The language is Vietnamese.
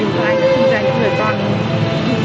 đã xin dành cho người toàn